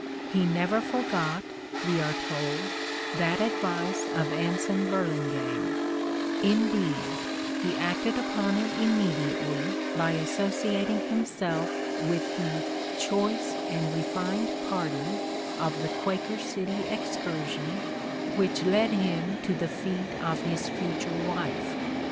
He "never forgot," we are told, "that advice" of Anson Burlingame: indeed, he acted upon it immediately by associating himself with the "choice and refined party" of the Quaker City excursion which led him to the feet of his future wife.